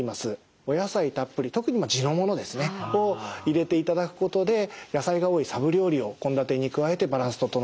お野菜たっぷり特に地のものですね。を入れていただくことで野菜が多いサブ料理を献立に加えてバランス整えていただくと。